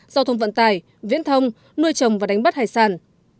giao thông vận tài viễn thông nuôi chồng và đánh bắt hải sản